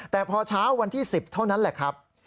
แต่พอเช้าวันที่๑๐เท่านั้นแหละครับ